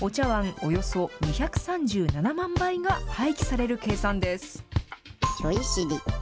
およそ２３７万杯が廃棄される計算です。